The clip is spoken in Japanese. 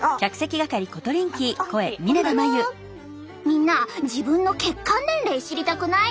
みんな自分の血管年齢知りたくない？